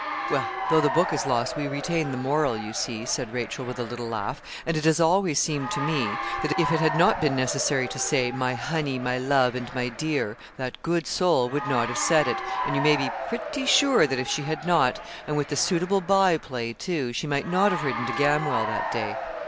'Well, though the book is lost, we retain the moral, you see,' said Rachel with a little laugh; 'and it has always seemed to me that if it had not been necessary to say, "my honey, my love, and my dear," that good soul would not have said it, and you may be pretty sure that if she had not, and with the suitable by play too, she might not have ridden to Gamwell that day.'